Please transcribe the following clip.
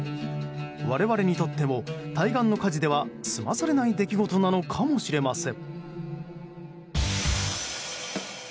我々にとっても対岸の火事では済まされない出来事なのかもしれません。